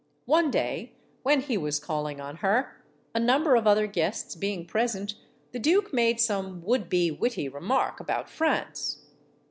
One day, when he was calling on her, a number of other guests being present, the duke made some would be witty remark about France.